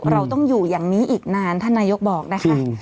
เราต้องอยู่อย่างนี้อีกนานท่านนายกบอกนะคะ